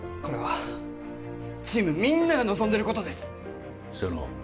これはチームみんなが望んでることです瀬能